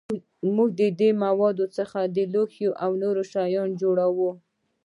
موږ د دې موادو څخه لوښي او نور شیان جوړوو.